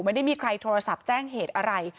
ไม่ได้มีใครโทรศัพท์แจ้งเหตุอะไร